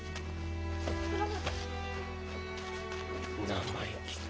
生意気な。